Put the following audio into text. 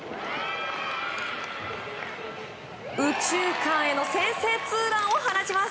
右中間への先制ツーランを放ちます。